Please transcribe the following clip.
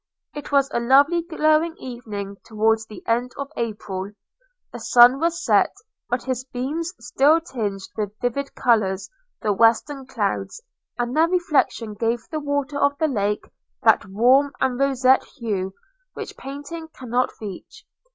It was a lovely glowing evening, towards the end of April. – The sun was set, but his beams still tinged with vivid colours the western clouds, and their reflection gave the water of the lake that warm and roseate hue which painting cannot reach.